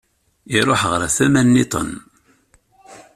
Iṛuḥ ɣer tama nniḍen.